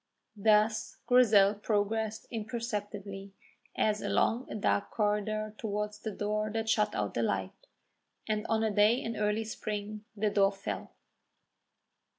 Thus Grizel progressed imperceptibly as along a dark corridor towards the door that shut out the light, and on a day in early spring the door fell.